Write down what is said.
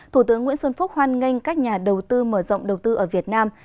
thủ tướng nguyễn xuân phúc hoan nghênh các nhà đầu tư mở rộng đầu tư ở việt nam